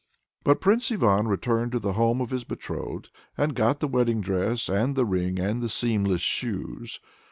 But Prince Ivan returned to the home of his betrothed, and got the wedding dress, and the ring, and the seamless shoes.